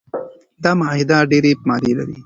دا معاهده ډیري مادې لري.